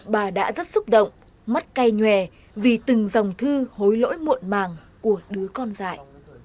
bà đã rất xúc động mắt cay nhòe vì từng dòng thư hối lỗi muộn màng của đứa con dại